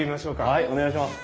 はいお願いします。